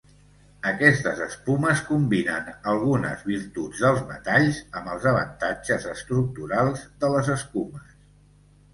Aquestes espumes combinen algunes virtuts dels metalls, amb els avantatges estructurals de les escumes.